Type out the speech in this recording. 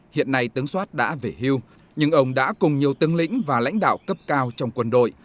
hiện nay tướng soát đã về hưu nhưng ông đã cùng nhiều tướng lĩnh và lãnh đạo cấp cao trong quân đội